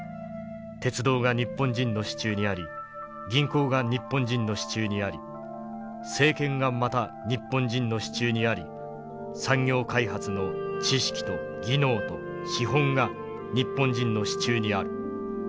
鉄道が日本人の手中にあり銀行が日本人の手中にあり政権がまた日本人の手中にあり産業開発の知識と技能と資本が日本人の手中にある。